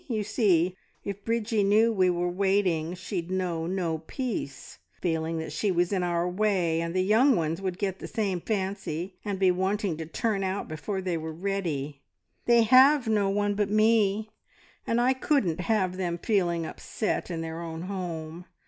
You see, if Bridgie knew we were waiting, she'd know no peace, feeling that she was in our way, and the young ones would get the same fancy, and be wanting to turn out before they were ready. They have no one but me, and I couldn't have them feeling upset in their own home.